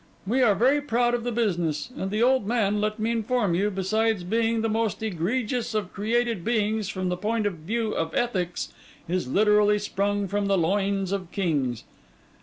'We are very proud of the business; and the old man, let me inform you, besides being the most egregious of created beings from the point of view of ethics, is literally sprung from the loins of kings.